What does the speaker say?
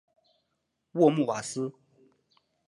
沃穆瓦斯。